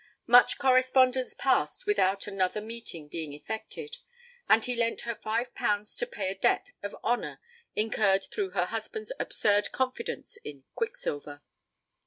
Much correspondence passed without another meeting being effected, and he lent her five pounds to pay a debt of honour incurred through her husband's 'absurd confidence in Quicksilver'.